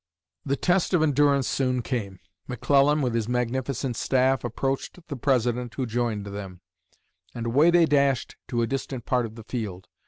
The test of endurance soon came. McClellan, with his magnificent staff, approached the President, who joined them, and away they dashed to a distant part of the field.